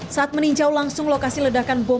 saat meninjau langsung lokasi ledakan bom